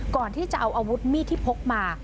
ก่อนที่จะเอาอาวุธมีดที่พกมา